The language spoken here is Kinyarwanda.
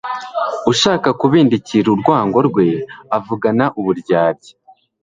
ushaka kubundikira urwango rwe avugana uburyarya